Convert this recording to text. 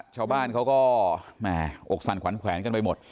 ชาวบ้านเขาก็แหมอกสั่นขวัญแขวนกันไปหมด